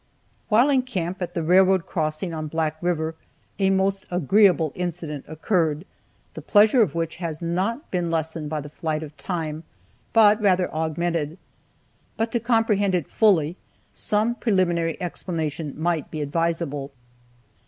While in camp at the railroad crossing on Black river, a most agreeable incident occurred, the pleasure of which has not been lessened by the flight of time, but rather augmented. But to comprehend it fully, some preliminary explanation might be advisable.